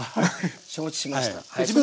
承知しました。